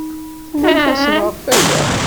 Tennamt-asent ɣef waya?